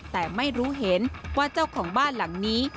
แต่ไม่รู้เห็นว่าเจ้าของบ้านหลังนี้